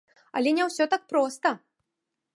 Але не ўсё так проста!